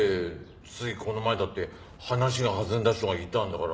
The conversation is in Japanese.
ついこの前だって話が弾んだ人がいたんだから。